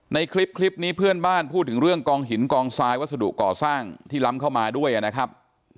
ในคลิปนี้เพื่อนบ้านพูดถึงเรื่องกองหินกองทรายวัสดุก่อสร้างที่ล้ำเข้ามาด้วยนะครับ